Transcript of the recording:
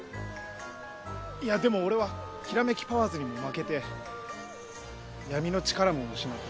いやでも俺はキラメキパワーズにも負けて闇の力も失って。